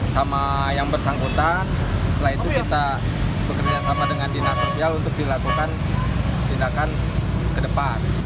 sama yang bersangkutan setelah itu kita bekerjasama dengan dinasosial untuk dilakukan tindakan ke depan